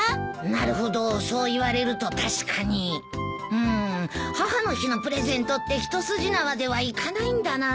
うーん母の日のプレゼントって一筋縄ではいかないんだなぁ。